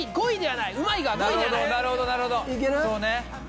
なるほどそうね。